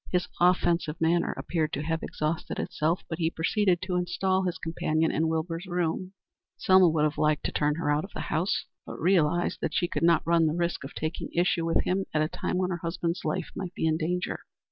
His offensive manner appeared to have exhausted itself, but he proceeded to install his companion in Wilbur's room. Selma would have liked to turn her out of the house, but realized that she could not run the risk of taking issue with him at a time when her husband's life might be in danger.